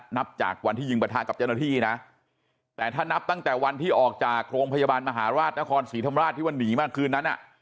นับจากวันที่ยิงประทะกับเจ้าหน้าที่นะแต่ถ้านับตั้งแต่วันที่ออกจากโรงพยาบาลมหาราชนครศรีธรรมราชที่ว่าหนีมาคืนนั้น